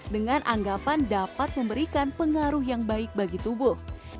dengan anggapan dapat memberikan pengaruh yang baik bagi tubuh